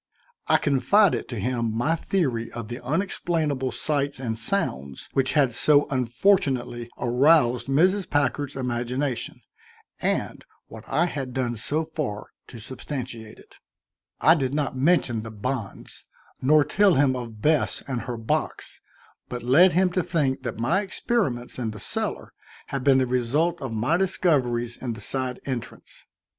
I confided to him my theory of the unexplainable sights and sounds which had so unfortunately aroused Mrs. Packard's imagination, and what I had done so far to substantiate it. I did not mention the bonds, nor tell him of Bess and her box, but led him to think that my experiments in the cellar had been the result of my discoveries in the side entrance.